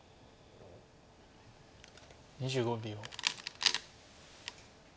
２５秒。